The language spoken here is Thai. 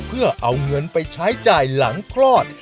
เพื่อเอาเงินไปใช้จ่ายหลังคลอด